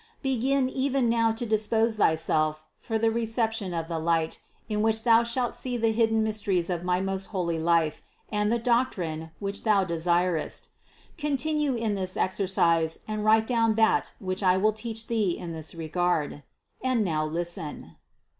Begin even now to dispose thyself for the reception of the light, in which thou shalt see the hidden mysteries of my most fioly life and the doctrine, which thou de sirest. Continue in this exercise and write down that which I will teach thee in this regard. And now listen.